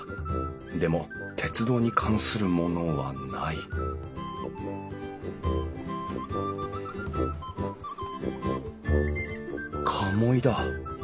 でも鉄道に関するものはない鴨居だ。